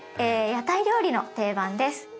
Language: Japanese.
屋台料理の定番です。